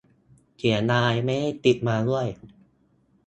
เสียดายไม่ได้ติดมาด้วย